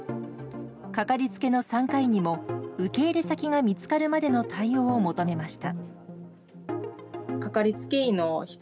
かかりつけの産科医にも受け入れ先が見つかるまでの対応を求めました。